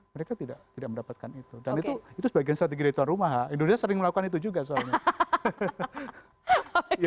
mereka tidak mendapatkan itu dan itu sebagian strategi dari tuan rumah indonesia sering melakukan itu juga soalnya